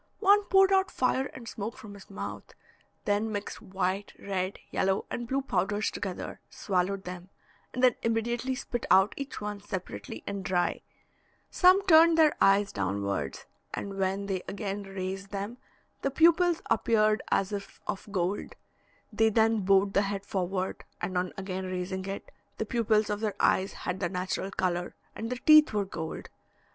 One poured out fire and smoke from his mouth; then mixed white, red, yellow, and blue powders together, swallowed them, and then immediately spit out each one separately and dry; some turned their eyes downwards, and when they again raised them the pupils appeared as if of gold; they then bowed the head forward, and on again raising it, the pupils of their eyes had their natural colour, and their teeth were gold.